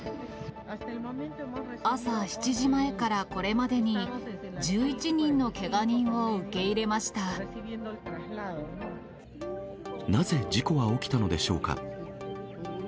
朝７時前からこれまでに、なぜ事故は起きたのでしょうか。